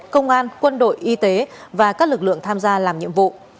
công an quân đội y tế và các lực lượng tham gia làm nhiệm vụ